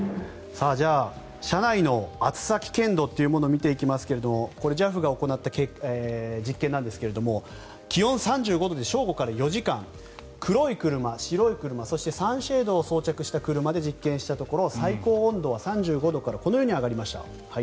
じゃあ、車内の暑さ危険度というものを見ていきますがＪＡＦが行った実験ですが気温３５度で正午から４時間黒い車、白い車そしてサンシェードを装着した車で実験したところ最高温度は３５度からこのように上がりました。